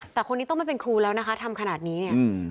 แต่คนนี้ต้องไม่เป็นครูแล้วนะคะทำขนาดนี้เนี่ย